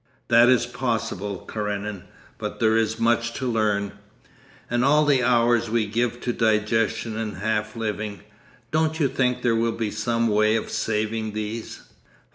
'That is possible, Karenin. But there is much to learn.' 'And all the hours we give to digestion and half living; don't you think there will be some way of saving these?